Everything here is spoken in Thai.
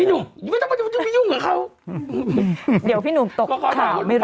นี่หนูอย่าต้องมาอยู่ไม่อยู่กับเขาเดี๋ยวพี่หนูตกข่าวไม่รู้